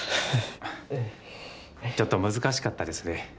ちょっと難しかったですね。